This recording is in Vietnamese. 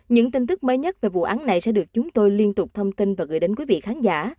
những tin tức mới nhất về vụ án này sẽ được chúng tôi liên tục thông tin và gửi đến quý vị khán giả